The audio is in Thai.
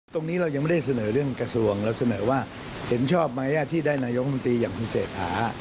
ตรงนี้เรายังไม่ได้เสนอเรื่องกระทรวงเราเสนอว่าเห็นชอบไหมที่ได้นายกมนตรีอย่างคุณเศรษฐา